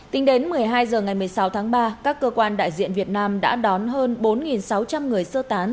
tính đến một mươi hai h ngày một mươi sáu tháng ba các cơ quan đại diện việt nam đã đón hơn bốn sáu trăm linh người sơ tán